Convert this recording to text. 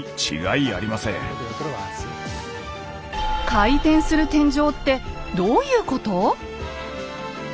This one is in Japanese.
回転する天井ってどういうこと？